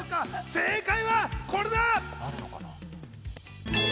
正解はこれだ！